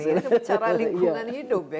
ini kebicaraan lingkungan hidup ya